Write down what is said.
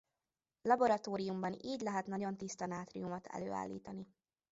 Laboratóriumban így lehet nagyon tiszta nátriumot előállítani.